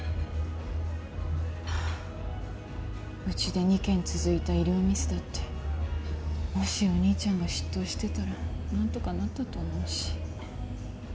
うちで２件続いた医療ミスだってもしお兄ちゃんが執刀してたら何とかなったと思うし。